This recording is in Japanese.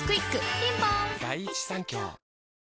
ピンポーン